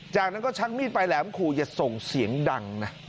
จากนั้นก็ชักมีดปลายแหลมขู่อย่าส่งเสียงดังนะ